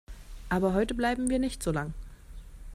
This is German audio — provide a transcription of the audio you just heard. Aber heute bleiben wir nicht so lang.